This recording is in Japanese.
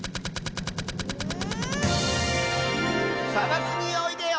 「さばくにおいでよ」